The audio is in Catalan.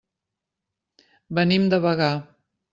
Venim de Bagà.